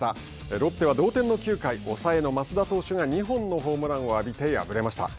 ロッテは同点の９回抑えの増田投手が２本をホームランを浴びて敗れました。